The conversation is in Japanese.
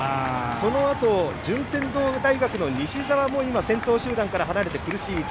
そのあと、順天堂大学の西澤も今、先頭集団から離れて、苦しい位置。